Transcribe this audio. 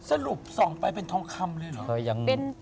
สรุปส่องไปเป็นทองคำเลยเหรอ